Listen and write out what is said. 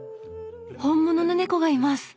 本物の猫がいます！